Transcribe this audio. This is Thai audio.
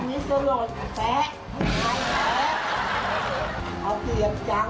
นะม่อพอต้องรู้ค่ะ